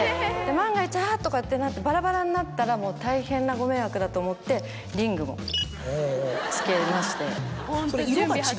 万が一「あっ！」とかってなってバラバラになったらもう大変なご迷惑だと思ってリングも付けまして。